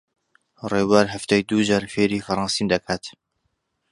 ڕێبوار هەفتەی دوو جار فێری فەڕەنسیم دەکات.